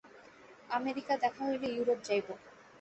America দেখা হইলে ইউরোপে যাইব।